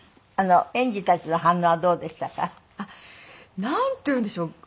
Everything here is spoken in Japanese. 園児たちの反応はどうでしたか？